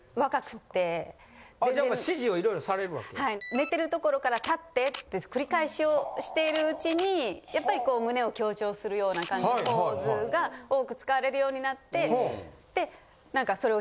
寝てるところから立ってって繰り返しをしているうちにやっぱり胸を強調するような感じポーズが多く使われるようになってそれを。